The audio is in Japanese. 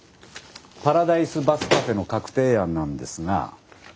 パラダイスバスカフェの確定案なんですが。